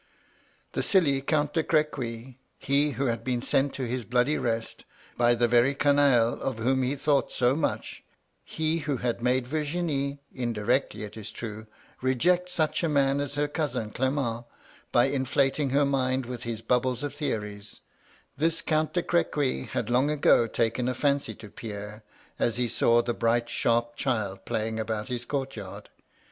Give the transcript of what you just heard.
The silly Count de Crequy, — ^he who had been sent to his bloody rest, by the very canaille of whom he thought so much, — he who had made Virginie (indirectly, it is true) reject such a man as her cousin Clement, by inflating her mind with his bubbles of theories, — this Count de Crequy had long MY LADY LUDLOW. 163 ago taken a fancy to Pierre^ as he saw the bright sharp child playing about his court yard.